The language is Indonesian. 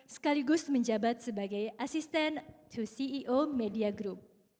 sekaligus menjabat sebagai asisten dua ceo media group